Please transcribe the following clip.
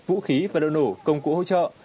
vũ khí và điều nổ công cụ hỗ trợ